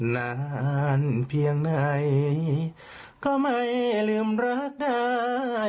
นานเพียงไหนก็ไม่ลืมรักได้